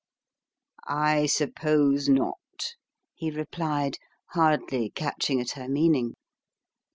"I suppose not," he replied, hardly catching at her meaning.